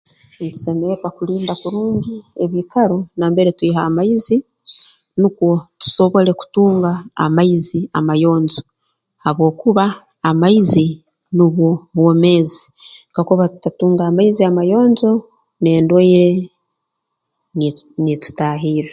Ntusemerra kulinda kurungi ebiikaro nambere twiha amaizi nukwo tusoble kutunga amaizi amayonjo habwokuba amaizi nubwo bwomeezi kakuba tutatunga amaizi amayonjo n'endwaire niitu niitutaahirra